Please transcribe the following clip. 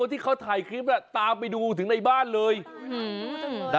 นี่มาเที่ยวบ้านเราเร็ว